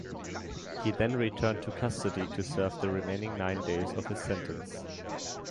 He then returned to custody to serve the remaining nine days of his sentence.